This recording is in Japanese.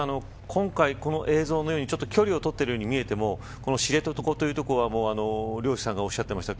今回、この映像のようにちょっと距離をとっているように見えてもこの知床という所は漁師さんがおっしゃってました